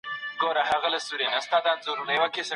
نانوايي بې ډوډۍ نه وي.